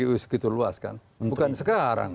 itu segitu luas kan bukan sekarang